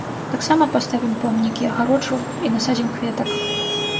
Таксама паставім помнікі, агароджу і насадзім кветак.